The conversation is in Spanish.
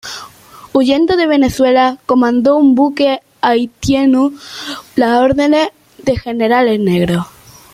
Huyendo de Venezuela, comandó un buque haitiano a las órdenes de generales negros.